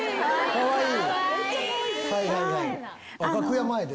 かわいい！